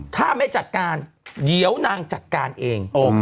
ถ้าไม่จัดการเดี๋ยวนางจัดการเอง